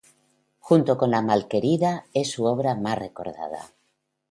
Junto con "La Malquerida" es su obra más recordada.